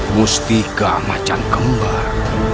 mustika macan kembar